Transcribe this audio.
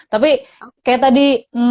tapi kayak tadi